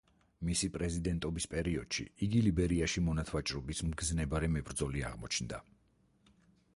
მისი პრეზიდენტობის პერიოდში იგი ლიბერიაში მონათვაჭრობის მგზნებარე მებრძოლი აღმოჩნდა.